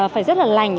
phải rất là lành